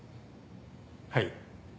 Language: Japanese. はい。